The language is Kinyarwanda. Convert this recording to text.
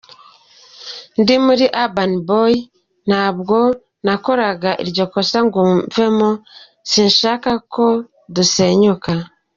Ndi muri Urban Boyz, ntabwo nakora iryo kosa ngo mvemo, sinshaka ko dusenyuka.